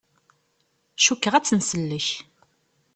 Cukkeɣ ad tt-nsellek.